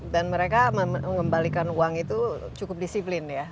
dan mereka mengembalikan uang itu cukup disiplin ya